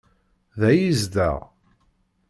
Da i yezdeɣ?